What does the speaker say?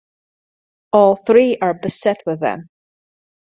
All three are beset with them.